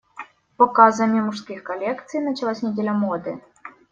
Показами мужских коллекций началась Неделя моды.